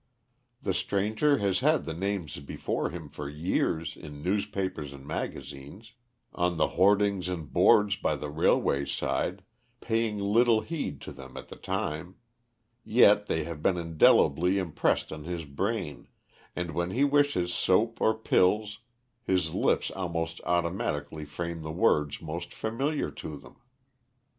The stranger has had the names before him for years in newspapers and magazines, on the hoardings and boards by the railway side, paying little heed to them at the time; yet they have been indelibly impressed on his brain, and when he wishes soap or pills his lips almost automatically frame the words most familiar to them.